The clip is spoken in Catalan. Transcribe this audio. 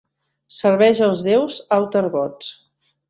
Serveix als deus Outer Gods.